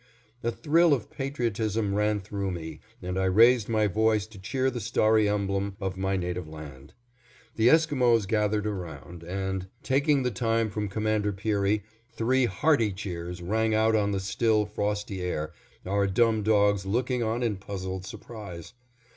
A thrill of patriotism ran through me and I raised my voice to cheer the starry emblem of my native land. The Esquimos gathered around and, taking the time from Commander Peary, three hearty cheers rang out on the still, frosty air, our dumb dogs looking on in puzzled surprise.